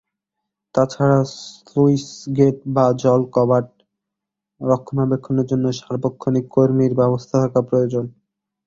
তা ছাড়া স্লুইসগেট বা জলকপাট রক্ষণাবেক্ষণের জন্য সার্বক্ষণিক কর্মীর ব্যবস্থা থাকা প্রয়োজন।